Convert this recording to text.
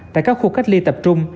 tại các khu cách ly tập trung